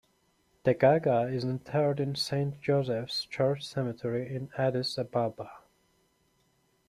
Degaga is interred in Saint Joseph's Church Cemetery in Addis Ababa.